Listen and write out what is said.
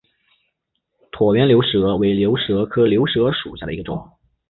椭圆流石蛾为流石蛾科流石蛾属下的一个种。